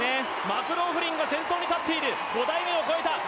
マクローフリンが先頭に立っている、５台目を越えた。